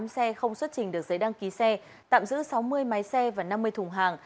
một mươi xe không xuất trình được giấy đăng ký xe tạm giữ sáu mươi máy xe và năm mươi thùng hàng